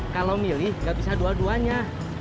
kalau milih gak bisa dua duanya